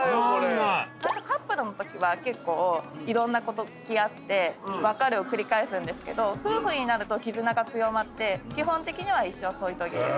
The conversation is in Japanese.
カップルのときは結構いろんな子と付き合って別れを繰り返すんですけど夫婦になると絆が強まって基本的には一生添い遂げる。